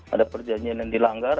ada perjanjian yang dilanggar